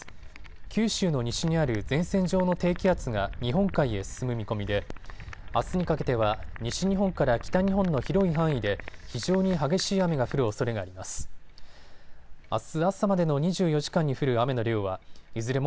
九州の西にある前線上の低気圧が日本海へ進む見込みであすにかけては西日本から北日本の広い範囲で非常に激しい雨が降るおそれがあります。